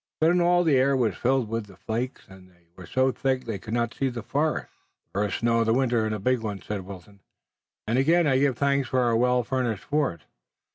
Then all the air was filled with the flakes, and they were so thick they could not see the forest. "The first snow of the winter and a big one," said Wilton, "and again I give thanks for our well furnished fort.